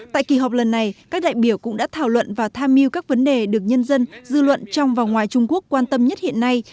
tại kỳ họp lần này các đại biểu cũng đã thảo luận và tham mưu các vấn đề được nhân dân dư luận trong và ngoài trung quốc quan tâm nhất hiện nay